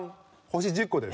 星１０個です。